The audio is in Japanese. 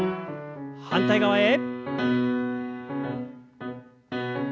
反対側へ。